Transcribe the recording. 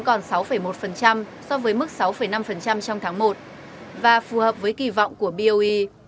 còn sáu một so với mức sáu năm trong tháng một và phù hợp với kỳ vọng của boe